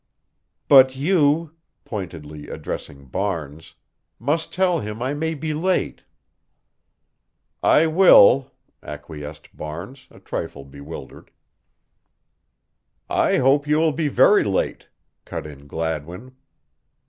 "But you," pointedly addressing Barnes, "must tell him I may be late." "I will," acquiesced Barnes, a trifle bewildered. "I hope you will be very late," cut in Gladwin.